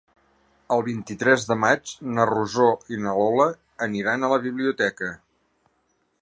El vint-i-tres de maig na Rosó i na Lola aniran a la biblioteca.